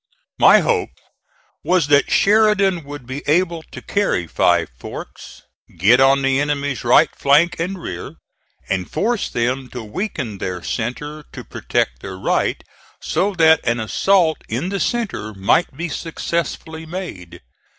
My hope was that Sheridan would be able to carry Five Forks, get on the enemy's right flank and rear, and force them to weaken their centre to protect their right so that an assault in the centre might be successfully made.